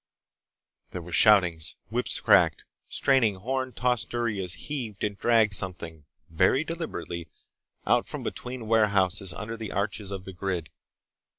There were shoutings. Whips cracked. Straining, horn tossing duryas heaved and dragged something, very deliberately, out from between warehouses under the arches of the grid.